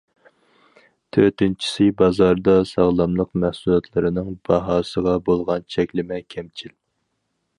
تۆتىنچىسى، بازاردا ساغلاملىق مەھسۇلاتلىرىنىڭ باھاسىغا بولغان چەكلىمە كەمچىل.